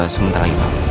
sementara lagi pak